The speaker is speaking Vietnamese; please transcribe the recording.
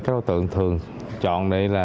các đối tượng thường chọn để